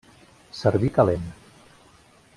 Servir calent.